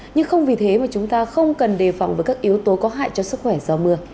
nhưng không vì thế mà chúng ta không cần đề phòng với các yếu tố có hại cho sức khỏe do mưa